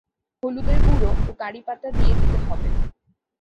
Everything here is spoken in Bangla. হলুদের গুঁড়ো ও কারি পাতা দিয়ে দিতে হবে।